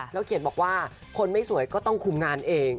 เขียนบอกว่าคนไม่สวยก็ต้องคุมงานเอง